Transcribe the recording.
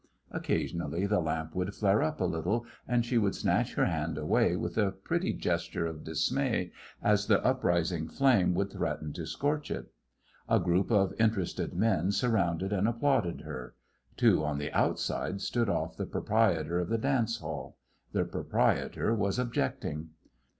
Occasionally the lamp would flare up a little, and she would snatch her hand away with a pretty gesture of dismay as the uprising flame would threaten to scorch it. A group of interested men surrounded and applauded her. Two on the outside stood off the proprietor of the dance hall. The proprietor was objecting.